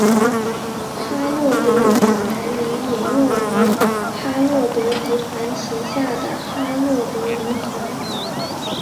哈洛德的品牌名也用于哈洛德集团旗下的哈洛德银行。